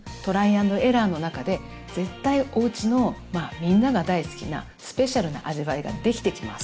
アンドエラーの中で絶対おうちのみんなが大好きなスペシャルな味わいができてきます。